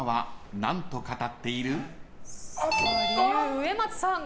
上松さん。